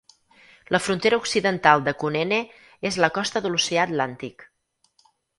La frontera occidental de Kunene és la costa de l'oceà Atlàntic.